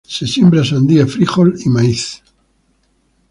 Se siembra sandía, frijol y maíz.